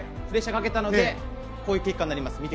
プレッシャーをかけたのでこういう結果になります。